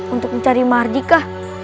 untuk mencari mardika